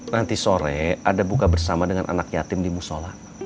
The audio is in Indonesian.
nanti sore ada buka bersama dengan anak yatim di musola